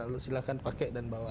lalu silahkan pakai dan bawa